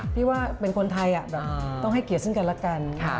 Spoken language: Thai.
พี่ว่าเป็นคนไทยต้องให้เกียรติซึ่งกันละกัน